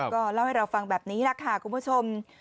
ก็เล่าให้เราฟังแบบนี้แหละค่ะคุณผู้ชม